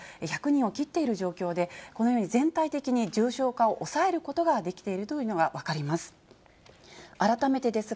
１００人を切っている状況で、このように全体的に重症化を抑えることができているというのが分かります。